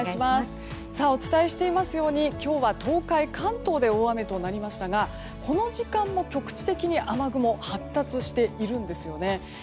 お伝えしていますように今日は東海、関東で大雨となりましたがこの時間も局地的に雨雲、発達しているんですね。